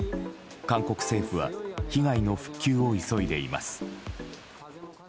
韓国政府は被害の復旧を急いでいます。